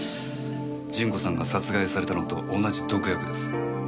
順子さんが殺害されたのと同じ毒薬です。